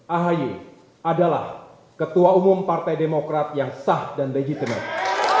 ahy adalah ketua umum partai demokrat yang sah dan legitimate